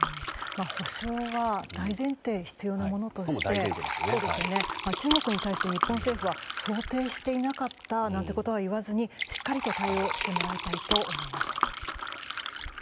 補償は大前提必要なものとして中国に対して日本政府は想定していなかったなんてことは言わずにしっかりと対応してもらいたいと思います。